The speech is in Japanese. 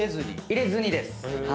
入れずにです。